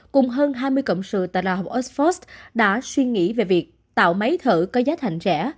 cùng hơn hai mươi cộng sự tại đại học oxford đã suy nghĩ về việc tạo máy thở có giá thành rẻ